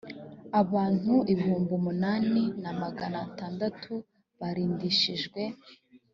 abantu ibihumbi umunani na magana atandatu barindishijwe.